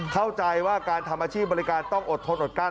เข้าใจว่าการทำอาชีพบริการต้องอดทนอดกั้น